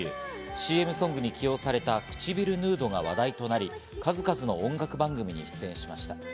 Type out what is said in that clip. ＣＭソングに起用された『くちびるヌード』が話題となり、数々の音楽番組に出演しました。